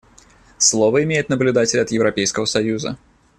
Слово имеет наблюдатель от Европейского союза.